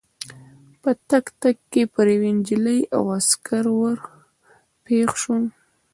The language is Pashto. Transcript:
په تګ تګ کې پر یوې نجلۍ او عسکر ور پېښ شوو.